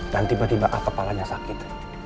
dan tiba tiba al kepalanya sakit